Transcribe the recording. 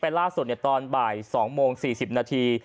ล่าสุดตอนบ่าย๒โมง๔๐นาที